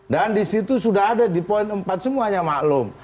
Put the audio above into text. dan di situ sudah ada di poin empat semuanya maklum